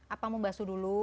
apa membasuh dulu